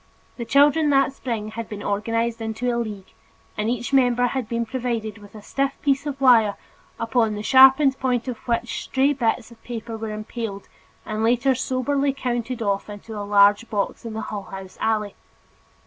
The children that spring had been organized into a league, and each member had been provided with a stiff piece of wire upon the sharpened point of which stray bits of paper were impaled and later soberly counted off into a large box in the Hull House alley.